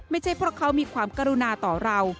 ไม่ใช่เพราะเขามีความกรุณาต่อเรา